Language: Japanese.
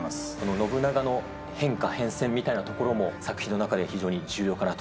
信長の変化、へんせんみたいなところも作品の中で非常に重要かなと。